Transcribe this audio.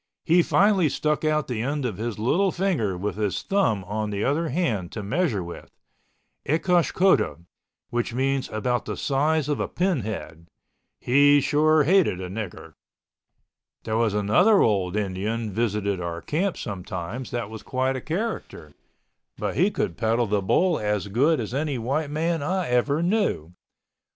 He finally stuck out the end of his little finger with his thumb on the other hand to measure with—ecosh cota, which meant about the size of a pin head. He sure hated a nigger. There was another old Indian visited our camp sometimes, that was quite a character. But he could peddle the bull as good as any white man I ever knew.